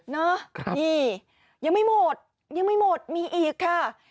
นะนี่ยังไม่หมดยังไม่หมดมีอีกค่ะ